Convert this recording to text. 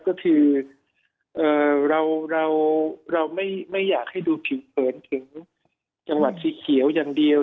ก็คือเราไม่อยากให้ดูผิวเผินถึงจังหวัดสีเขียวอย่างเดียว